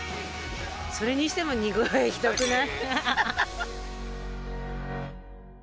それにしても似顔絵ひどくない？